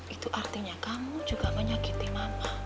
itu artinya kamu juga menyakiti mama